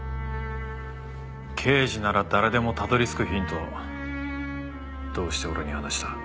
刑事なら誰でもたどり着くヒントをどうして俺に話した？